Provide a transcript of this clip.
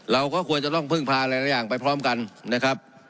เราก็ควรจะต้องพึ่งพาหลายอย่างไปพร้อมกันนะครับ